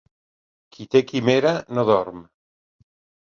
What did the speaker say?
Qui té quimera no dorm.